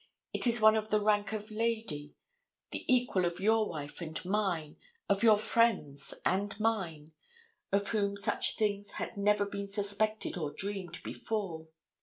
It is one of the rank of lady, the equal of your wife and mine, of your friends and mine, of whom such things had never been suspected or dreamed before.